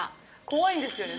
怖いんですよね。